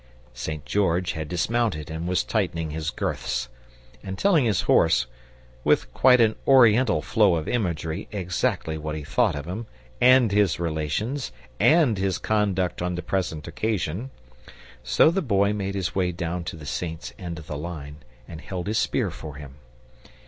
St. George had dismounted and was tightening his girths, and telling his horse, with quite an Oriental flow of imagery, exactly what he thought of him, and his relations, and his conduct on the present occasion; so the Boy made his way down to the Saint's end of the line, and held his spear for him.